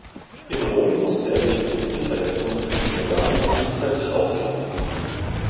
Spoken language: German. In Rom musste er wegen einer Knieverletzung gegen Nadal frühzeitig aufgeben.